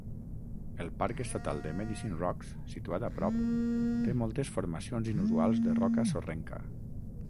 El parc estatal de Medicine Rocks, situat a prop, té moltes formacions inusuals de roca sorrenca.